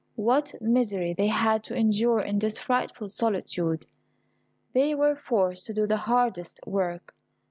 What misery they had to endure in this frightful solitude! They were forced to do the hardest work.